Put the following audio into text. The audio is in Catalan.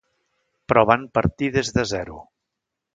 Però van partir des de zero.